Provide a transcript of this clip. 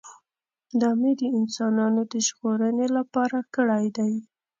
دا مې د انسانانو د ژغورنې لپاره کړی دی.